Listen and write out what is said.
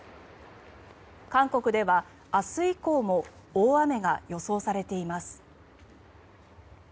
韓国では明日以降も大雨が予想されています。